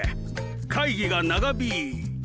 会議が長引い。